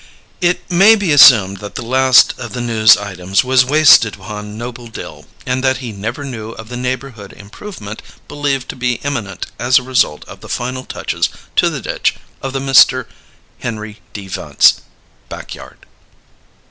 It may be assumed that the last of the news items was wasted upon Noble Dill and that he never knew of the neighbourhood improvement believed to be imminent as a result of the final touches to the ditch of the Mr. Henry D. Vance backyard.